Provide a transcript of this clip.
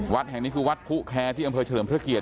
วัดแห่งนี้คือวัดผู้แคร์ที่อำเภอเฉลิมพระเกียรติ